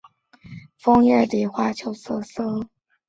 类似的情况也出现在很多其他化合物中。